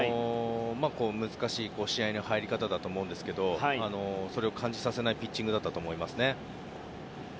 難しい試合の入り方だと思いますがそれを感じさせないピッチングだったと思いますね。